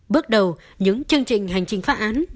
bước đầu những chương trình hành trình phá án